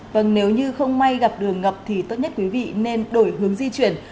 vâng nếu như không may gặp đường ngập thì tốt nhất quý vị nên đổi hướng di chuyển